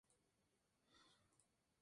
Elío debía levantar el bloqueo de los ríos.